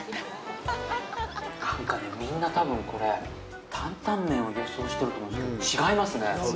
なんかね、みんな、多分、これ、担々麺を予想してると思うんですけど、違いますね。